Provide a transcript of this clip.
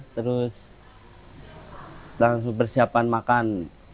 terus langsung persiapan makan